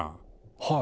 はい。